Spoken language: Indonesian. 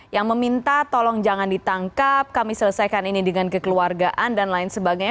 yang meminta tolong jangan ditangkap kami selesaikan ini dengan kekeluargaan dan lain sebagainya